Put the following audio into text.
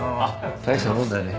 大したもんだね。